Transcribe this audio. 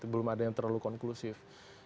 belum ada yang terlalu konklusif